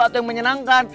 atau yang menyenangkan